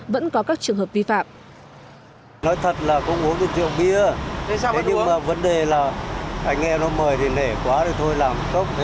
vẫn có các trường hợp vi phạm